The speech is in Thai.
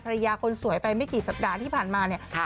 ภรรยาคนสวยไปไม่กี่สัปดาห์ที่ผ่านมาเนี่ย